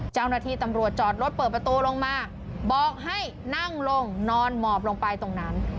เจ้าหน้าที่ตำรวจจอดรถเปิดประตูลงมาบอกให้นั่งลงนอนหมอบลงไปตรงนั้น